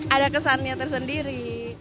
ada kesannya tersendiri